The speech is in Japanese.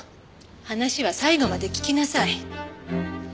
話は最後まで聞きなさい。